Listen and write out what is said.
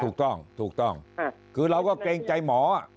ถูกต้องถูกต้องคือเราก็เกรงใจหมอ